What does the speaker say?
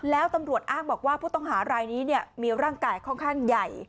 แล้วตำรวจอ้างบอกว่าผู้ต้องหารายนี้มีร่างกายค่อนข้างใหญ่